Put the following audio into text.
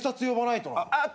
あっ。